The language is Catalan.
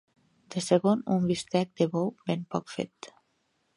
De segon, un bistec de bou ben poc fet.